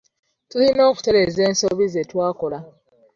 Tulina okutereeza ensobi ze twakola